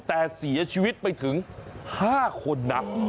แต่เสียชีวิตไปถึง๕คนนะ